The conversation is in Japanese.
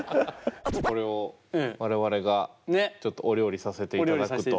これを我々がちょっとお料理させていただくと。